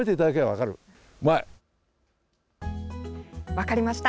分かりました。